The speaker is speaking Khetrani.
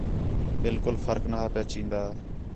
بالکل فرق نہا پِیا چین٘دا